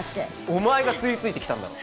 お前が吸いついてきたんだろ？